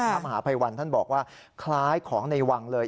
พระมหาภัยวันท่านบอกว่าคล้ายของในวังเลย